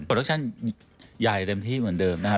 โลชั่นใหญ่เต็มที่เหมือนเดิมนะครับ